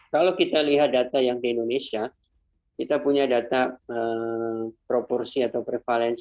kalau kita lihat data yang di indonesia kita punya data proporsi atau prevalensi